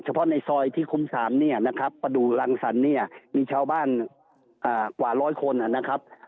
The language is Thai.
เพราะในซอยที่คุ้ม๓เนี่ยนะครับประดูกรังสรรคเนี่ยมีชาวบ้านกว่าร้อยคนนะครับ